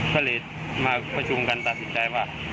ก็เลยมาประชุมกันตัดสินใจว่า